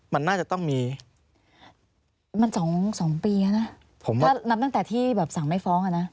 มันมีเหตุยิงกันตายห่างจากโรงพรคหางจากกองบัญชาการตลอดภูทรภาค๘แค่สองกิโล